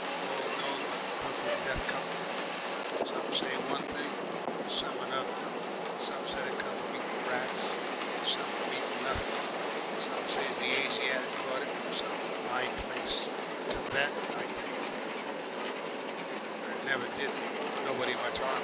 Gor' knows where the Purple Death come from; some say one thing and some another. Some said it come from eatin' rats and some from eatin' nothin'. Some say the Asiatics brought it from some 'I place, Thibet, I think, where it never did nobody much 'arm.